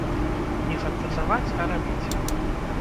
Не фантазаваць, а рабіць.